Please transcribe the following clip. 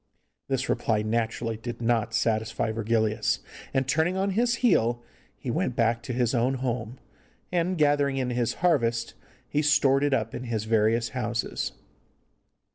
This reply naturally did not satisfy Virgilius, and, turning on his heel, he went back to his own home, and, gathering in his harvest, he stored it up in his various houses.